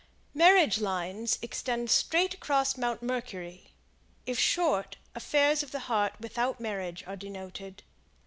Marriage Lines extend straight across Mount Mercury; if short, affairs of the heart without marriage are denoted.